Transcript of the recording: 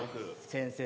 先生